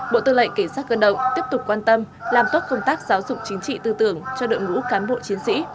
bộ tư lệnh kỵ binh tiếp tục quan tâm làm tốt công tác giáo dụng chính trị tư tưởng cho đội ngũ cán bộ chiến sĩ